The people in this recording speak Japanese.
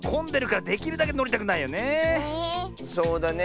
そうだね。